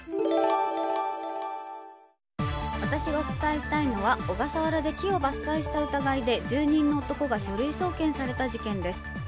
私がお伝えしたいのは小笠原で木を伐採した疑いで住人の男が書類送検された事件です。